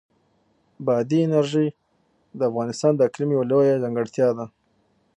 بادي انرژي د افغانستان د اقلیم یوه لویه ځانګړتیا ده.